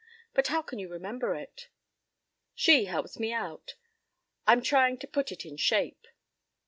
—But how can you remember it?" "She helps me out. I'm trying to put it in shape."